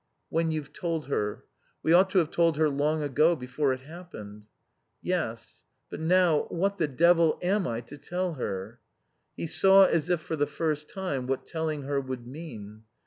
"When you've told her. We ought to have told her long ago, before it happened." "Yes. But now what the devil am I to tell her?" He saw, as if for the first time, what telling her would mean.